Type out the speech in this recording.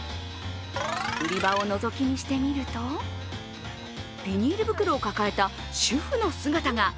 売り場をのぞき見してみるとビニール袋を抱えた主婦の姿が。